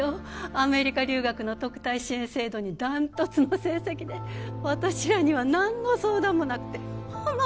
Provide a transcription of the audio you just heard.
アメリカ留学の特待支援制度にダントツの成績で私らには何の相談もなくてホンマ